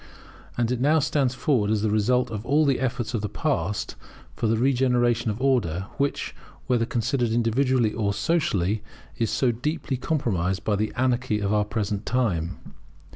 And it now stands forward as the result of all the efforts of the past, for the regeneration of order, which, whether considered individually or socially, is so deeply compromised by the anarchy of the present time.